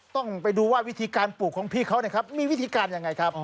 ต้องไปดูว่าวิธีการปลูกของพี่เขานะครับมีวิธีการยังไงครับ